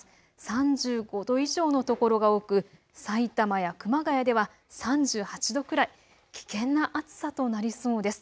３５度以上の所が多くさいたまや熊谷では３８度くらい、危険な暑さとなりそうです。